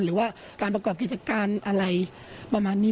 หรือว่าการประกอบกิจการอะไรประมาณนี้